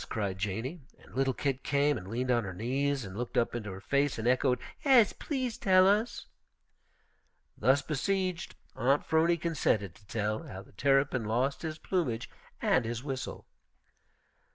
cried Janey, and little Kit came and leaned on her knees and looked up into her face and echoed, "'Es, please to tell us." Thus besieged, Aunt 'Phrony consented to tell how the Terrapin lost his plumage and his whistle.